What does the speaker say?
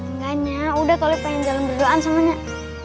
enggaknya udah tolipan yang jalan duluan sama nyek